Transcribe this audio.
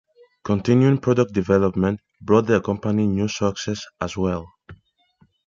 Continuing product development brought the company new successes as w ell.